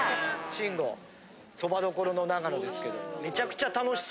慎吾蕎麦処の長野ですけど。